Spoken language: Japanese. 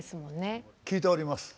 聞いております。